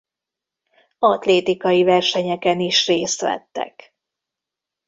Atlétikai versenyeken is részt vettek.